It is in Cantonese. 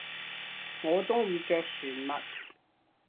我中意着船襪